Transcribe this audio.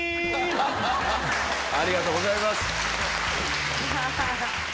ありがとうございます。